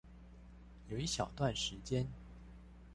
有一小段時間